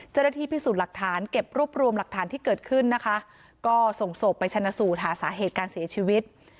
เจ้าหน้าที่พิสูจน์หลักฐานเก็บรวบรวมหลักฐานที่เกิดขึ้นนะคะก็ส่งศพไปชนะสูตรหาสาเหตุการเสียชีวิต